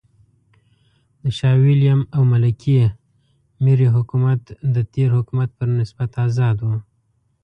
د شاه وېلیم او ملکې مېري حکومت د تېر حکومت پر نسبت آزاد و.